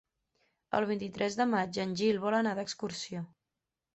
El vint-i-tres de maig en Gil vol anar d'excursió.